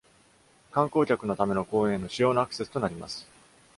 観光客のための公園への主要なアクセスとなります。